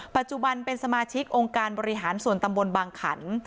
ปัจจุบันเป็นสมาชิกองค์การบริหารส่วนตำบลบางขัน